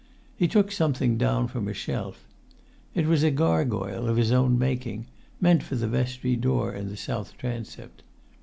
He took something down from a shelf. It was a gargoyle of his own making, meant for the vestry door in the south transept.